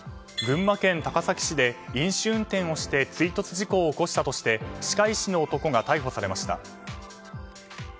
群馬県高崎市で飲酒運転をして追突事故を起こしたとして歯科医師の男が逮捕されました。